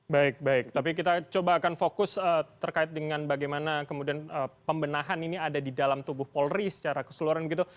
baik baik tapi kita coba akan fokus terkait dengan bagaimana kemudian pembenahan ini ada di dalam tubuh polri secara keseluruhan begitu